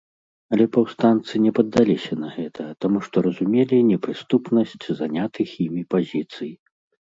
Але паўстанцы не паддаліся на гэта, таму што разумелі непрыступнасць занятых імі пазіцый.